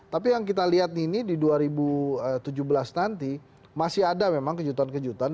tapi yang kita lihat ini di dua ribu tujuh belas nanti masih ada memang kejutan kejutan